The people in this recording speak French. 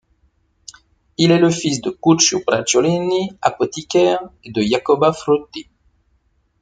Il est le fils de Guccio Bracciolini, apothicaire, et de Iacoba Frutti.